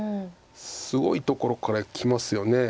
すごいところからきますよね。